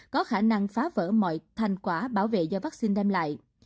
có khả năng phá vỡ mọi thành quả bảo vệ do vaccine đem lại